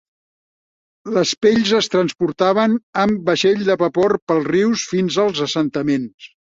Les pells es transportaven amb vaixell de vapor pels rius fins als assentaments.